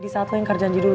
di saat lo ingkar janji dulu